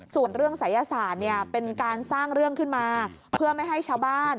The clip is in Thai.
ส่วนเรื่องศัยศาสตร์เนี่ยเป็นการสร้างเรื่องขึ้นมาเพื่อไม่ให้ชาวบ้าน